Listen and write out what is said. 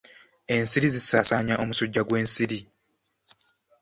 Ensiri zisaasaanya omusujja gw'ensiri.